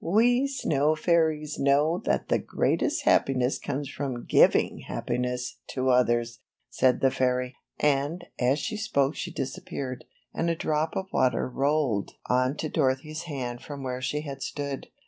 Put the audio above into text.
"We snow fairies know that the greatest happiness comes from giving happiness to others," said the fairy, and as she spoke she disappeared, and a drop of water rolled DOROTHY'S CHRISTMAS EVE. 139 on to Dorothy's hand from where she had stood.